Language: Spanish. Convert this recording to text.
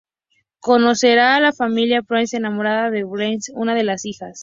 Conocerá a la familia Pettigrew, enamorándose de Helen, una de las hijas.